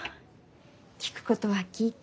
聞くことは聞いた。